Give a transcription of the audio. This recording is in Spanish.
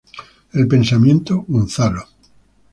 El pensamiento Gonzalo".